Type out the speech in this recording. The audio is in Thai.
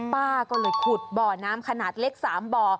ป้าก็เลยขุดบ่อน้ำขนาดเล็ก๓บ่อ